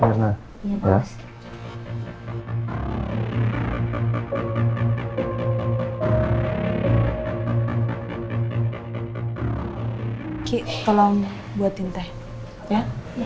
besar dulu atau berlebihan anda atau keja